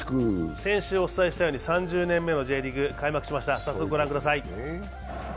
先週お伝えしたように３０年めのＪリーグ開幕しました、早速ご覧ください。